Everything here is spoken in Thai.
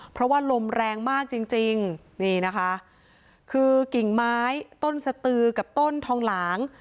เพราะว่าลมแรงมากจริงจริงนี่นะคะคือกิ่งไม้ต้นสตือกับต้นทองหลาง